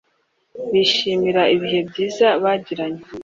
bishimira ibihe byiza bagiranye